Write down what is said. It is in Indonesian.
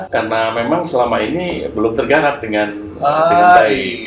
karena memang selama ini belum tergarap dengan baik